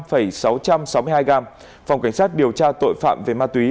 phòng cảnh sát điều tra tội phạm về ma túy